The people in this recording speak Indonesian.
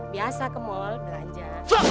biasa ke mal belanja